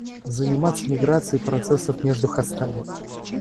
Заниматься миграцией процессов между хостами